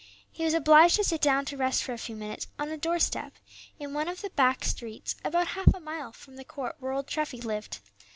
He was obliged to sit down to rest for a few minutes on a doorstep in one of the back streets about half a mile from the court where old Treffy lived.